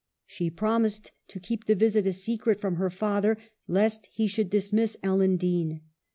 She promised to keep the visit a secret from her father, lest he should dismiss Ellen Dean.